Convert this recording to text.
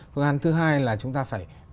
phương án thứ hai là chúng ta phải